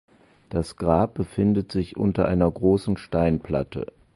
Das Grab befindet sich unter einer großen Steinplatte.